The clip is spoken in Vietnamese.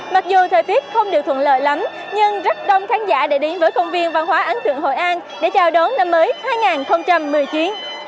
mặc dù thời tiết không điều thuận lợi lắm nhưng rất đông khán giả đã đến với công viên văn hóa ấn tượng hội an để chào đón năm mới hai nghìn một mươi chín